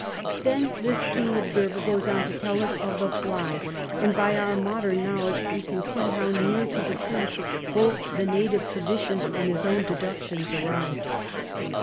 Then this keen observer goes on to tell us of the fly, and by our modern knowledge we can see how near to the truth both the native traditions and his own deductions arrived.